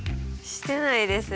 してないですよ。